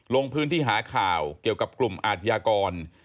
ลงพื้นที่หาข่าวเกี่ยวกับกลุ่มอาทยากร